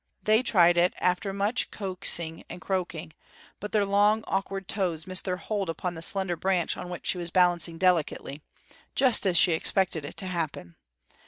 They tried it after much coaxing and croaking; but their long, awkward toes missed their hold upon the slender branch on which she was balancing delicately just as she expected it to happen.